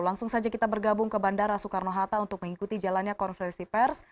langsung saja kita bergabung ke bandara soekarno hatta untuk mengikuti jalannya konferensi pers